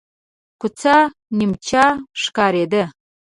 کوڅه نمجنه ښکارېده.